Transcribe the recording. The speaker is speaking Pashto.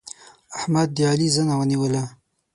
احمد د علي زنه ونيوله.